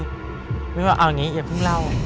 มิ้งบอกเอาอย่างนี้อย่าเพิ่งเล่า